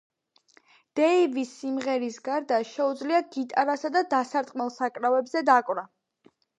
დეივისს სიმღერის გარდა შეუძლია გიტარასა და დასარტყმელ საკრავებზე დაკვრა.